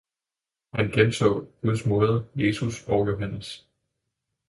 han genså Guds Moder, Jesus og Johannes.